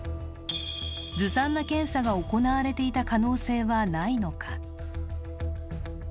ずさんな検査が行われていた可能性はないのか。